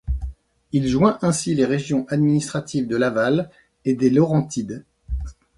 Il joint ainsi les régions administratives de Laval et des Laurentides.